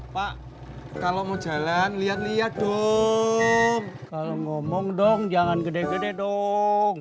pak kalau mau jalan lihat lihat dong kalau ngomong dong jangan gede gede dong